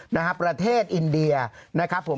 นะครับประเทศอินเดียนะครับผม